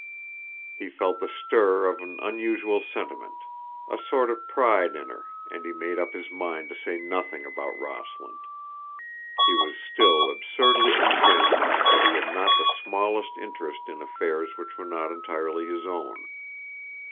He felt the stir of an unusual sentiment—a sort of pride in her, and he made up his mind to say nothing about Rossland. He was still absurdly convinced that he had not the smallest interest in affairs which were not entirely his own.